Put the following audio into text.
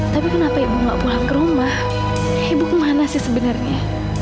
tapi kenapa ibu nggak pulang ke rumah ibu ke mana sih sebenarnya